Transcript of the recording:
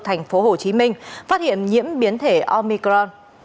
tp hcm phát hiện nhiễm biến thể omicron